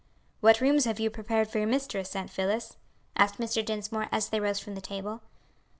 "What rooms have you prepared for your mistress, Aunt Phillis?" asked Mr. Dinsmore, as they rose from the table.